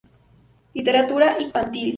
Literatura infantil